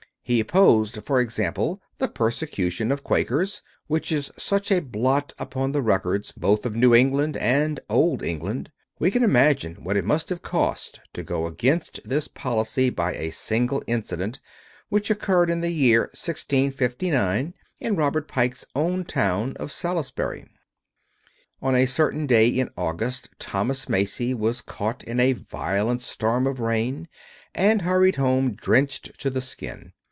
He opposed, for example, the persecution of the Quakers, which is such a blot upon the records both of New England and old England. We can imagine what it must have cost to go against this policy by a single incident, which occurred in the year 1659 in Robert Pike's own town of Salisbury. On a certain day in August, Thomas Macy was caught in a violent storm of rain, and hurried home drenched to the skin.